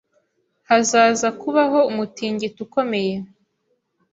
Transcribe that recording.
Hazaza kubaho umutingito ukomeye